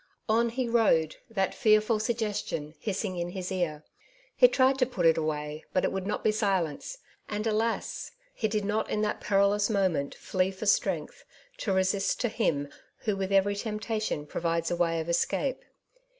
On he rode, that fearful sug gestion hissing in his ear. He tried to put it away, but it would not be silenced ; and, alas \ he did not A Moment's Delirium. 199 in that perilous moment flee for strength to resist to Him who with every temptation provides a way of escape.